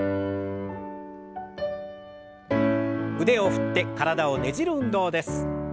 腕を振って体をねじる運動です。